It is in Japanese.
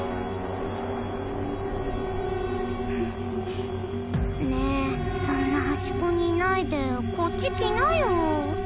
フフッねえそんな端っこにいないでこっち来なよ